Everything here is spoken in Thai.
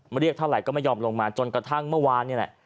เรียกเท่าไหร่ก็ไม่ยอมลงมาจนกระทั่งเมื่อวานนี่แหละ